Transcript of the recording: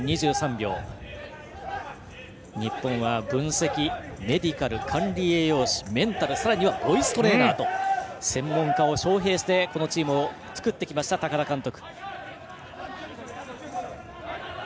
日本は分析、メディカル管理栄養士メンタルさらにはボイストレーナーと専門家を招へいしてこのチームを作ってきた高田監督。